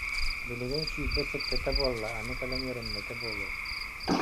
Билигин сүүрбэ сэттэтэ буолла, аны кэлэн үөрэммэтэ буолуо